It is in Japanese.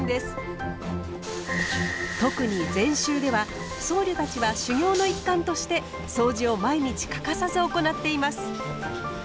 特に禅宗では僧侶たちは修行の一環としてそうじを毎日欠かさず行っています。